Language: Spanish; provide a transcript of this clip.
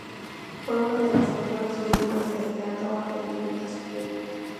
Fue una de las mayores figuras del teatro argentino de su tiempo.